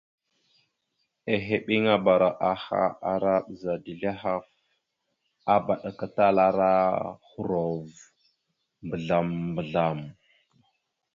Ehebeŋabara aha ara bəza dezl ahaf, abaɗakatalara ohərov mbəzlam- mbəzlam.